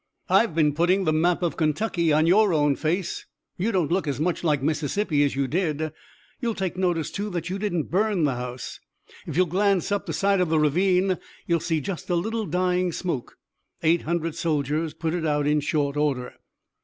"I've been putting the map of Kentucky on your own face. You don't look as much like Mississippi as you did. You'll take notice too that you didn't burn the house. If you'll glance up the side of this ravine you'll see just a little dying smoke. Eight hundred soldiers put it out in short order."